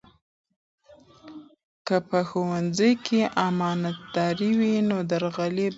که په ښوونځي کې امانتداري وي نو درغلي به نه وي.